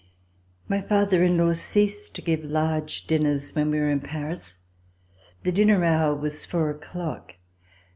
My father in law ceased to give large dinners when we were at Paris. The dinner hour was four o'clock.